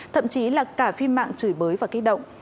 thậm chí là cả phim mạng chửi bới và kích động